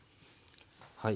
はい。